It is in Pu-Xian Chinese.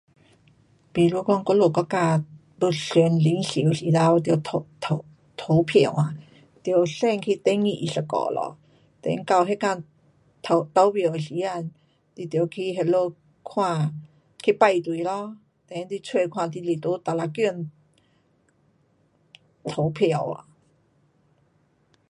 比如讲我们国家要选领袖时头得投，投，投票。得先去登记一下了，等那天投，投票的时间，你得去那里看，去排队咯。then 你找看你得去哪一间投票啊。